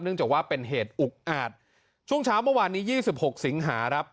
เนื่องจากว่าเป็นเหตุอุกอาจช่วงเช้าเมื่อวานนี้ยี่สิบหกสิงหาครับ